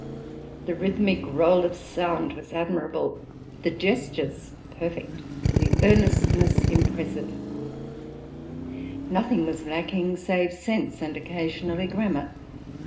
The rhythmic roll of sound was admirable, the gestures perfect, the earnestness impressive; nothing was lacking save sense and, occasionally, grammar.